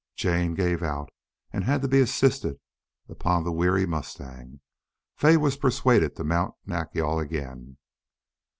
Jane gave out and had to be assisted upon the weary mustang. Fay was persuaded to mount Nack yal again.